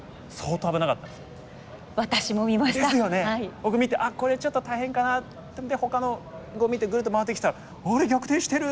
僕見て「あっこれちょっと大変かな」。ほかの碁見てぐるっと回ってきたら「あれ？逆転してる！」。